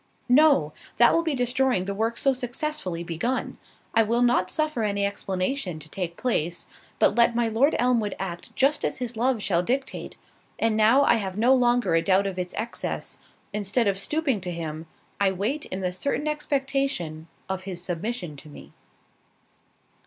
"No, that will be destroying the work so successfully begun. I will not suffer any explanation to take place, but let my Lord Elmwood act just as his love shall dictate; and now I have no longer a doubt of its excess, instead of stooping to him, I wait in the certain expectation of his submission to me."